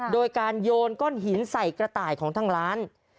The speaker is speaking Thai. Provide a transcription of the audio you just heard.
โดยการโยนก้อนหินใส่กระต่ายของทางร้าน